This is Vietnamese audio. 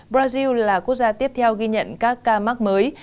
brazil là quốc gia tiếp theo ghi nhận các ca mắc mới